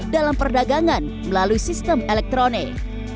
dalam perdagangan melalui sistem elektronik